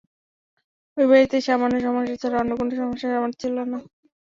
ঐ বাড়িতে এই সামান্য সমস্যা ছাড়া অন্য কোনো সমস্যা আমার ছিল না।